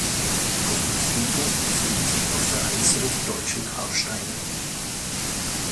Auf dem Friedhof befinden sich noch vereinzelt deutsche Grabsteine.